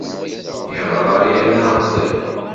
Yeɣra-aneɣ-d.